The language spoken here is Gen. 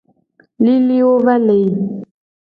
Liliwo va le yi.